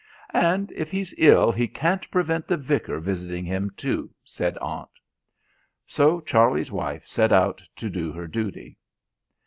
"And if he's ill he can't prevent the Vicar visiting him too," said Aunt. So Charlie's wife set out to do her duty.